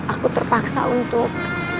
aku terpaksa untuk